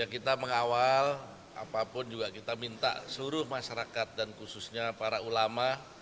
kita mengawal apapun juga kita minta seluruh masyarakat dan khususnya para ulama